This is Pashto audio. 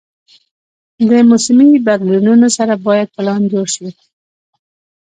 د موسمي بدلونونو سره باید پلان جوړ شي.